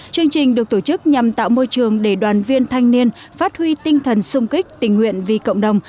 chương trình được tổ chức nhằm tạo môi trường để đoàn viên thanh niên phát huy tinh thần sung kích tình nguyện vì cộng đồng